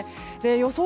予想